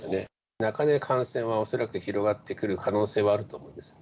中で感染は恐らく広がってくる可能性はあると思うんですね。